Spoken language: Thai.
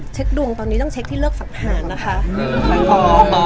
เช็คดวงต้องเช็คที่เลิกฝังหานะคะ